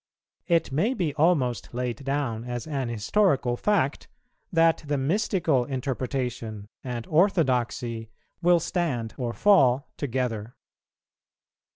It may be almost laid down as an historical fact, that the mystical interpretation and orthodoxy will stand or fall together.